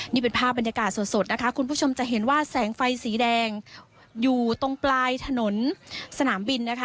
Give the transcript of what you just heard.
นี่เป็นภาพบรรยากาศสดนะคะคุณผู้ชมจะเห็นว่าแสงไฟสีแดงอยู่ตรงปลายถนนสนามบินนะคะ